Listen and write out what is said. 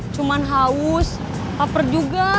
cuman haus haper juga